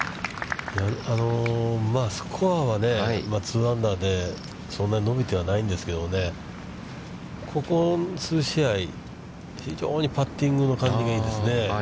スコアはね、２アンダーで、そんなに伸びてはないんですけどね、ここ数試合、非常にパッティングの感じがいいですね。